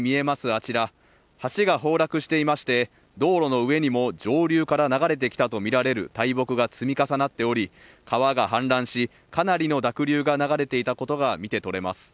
あちら橋が崩落していまして道路の上にも上流から流れてきたとみられる大木が積み重なっており川が氾濫し、かなりの濁流が流れていたことが見てとれます。